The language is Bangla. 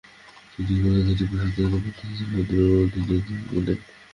তিনি কলকাতায় টিপু সুলতানের পৌত্র শাহজাদা জালালউদ্দিনের অধীনে চাকরি নেন।